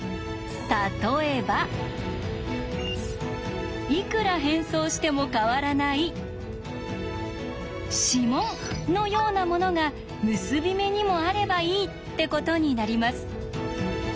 例えばいくら変装しても変わらない「指紋」のようなものが結び目にもあればいいってことになります。